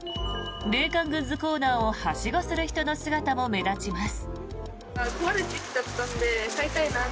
冷感グッズコーナーをはしごする人の姿も目立ちます。